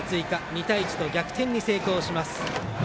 ２対１と逆転に成功します。